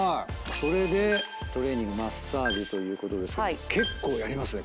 それでトレーニングマッサージということですけども結構やりますね